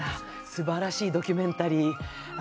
すばらしいドキュメンタリー。